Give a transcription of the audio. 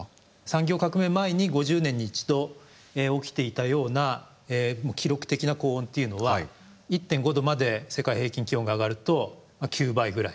産業革命前に５０年に一度起きていたような記録的な高温というのは１．５℃まで世界平均気温が上がると９倍ぐらい。